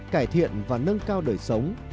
cải thiện và nâng cao đời sống